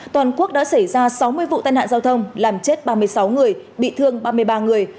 toàn quốc đã xảy ra sáu mươi vụ tai nạn giao thông làm chết ba mươi sáu người bị thương ba mươi ba người